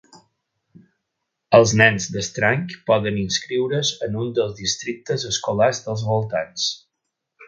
Els nens d'Strang poden inscriure's en un dels districtes escolars dels voltants.